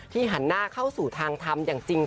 หันหน้าเข้าสู่ทางทำอย่างจริง